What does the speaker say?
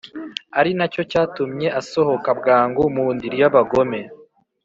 ari na cyo cyatumye asohoka bwangu mu ndiri y’abagome.